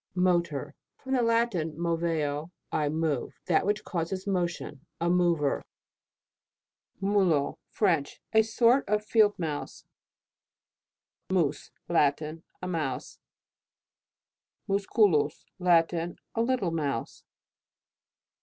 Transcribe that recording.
MOTOR. From the Latin, moveo, I move. That which causes motion. A mover. MULOT. French. A sort of Field mouse. Mus. Latin. A Mouse. MUSCULUS. Latin. A little mouse.